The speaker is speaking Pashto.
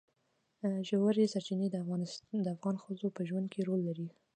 ژورې سرچینې د افغان ښځو په ژوند کې رول لري.